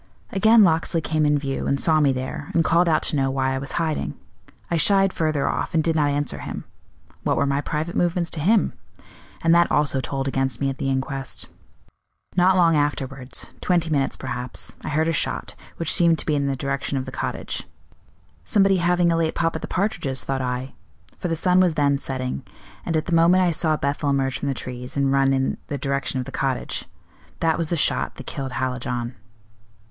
Again Locksley came in view and saw me there, and called out to know why I was hiding. I shied further off, and did not answer him what were my private movements to him? and that also told against me at the inquest. Not long afterwards twenty minutes, perhaps I heard a shot, which seemed to be in the direction of the cottage. 'Somebody having a late pop at the partridges,' thought I; for the sun was then setting, and at the moment I saw Bethel emerge from the trees, and run in the direction of the cottage. That was the shot that killed Hallijohn."